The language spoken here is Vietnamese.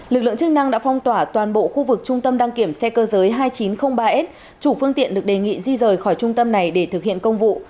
lực lượng chức năng đã phong tỏa toàn bộ khu vực trung tâm đăng kiểm xe cơ giới hai nghìn chín trăm linh ba s chủ phương tiện được đề nghị di rời khỏi trung tâm này để thực hiện công vụ